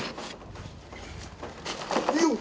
よっ！